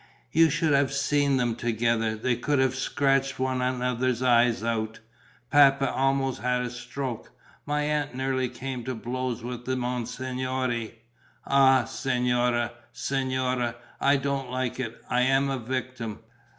You should have seen them together. They could have scratched one another's eyes out. Papa almost had a stroke, my aunt nearly came to blows with the monsignori.... Ah, signora, signora, I don't like it! I am a victim.